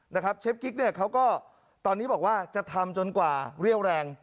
เชฟกิ๊กเนี่ยเขาก็ตอนนี้บอกว่าจะทำจนกว่าเรี่ยวแรง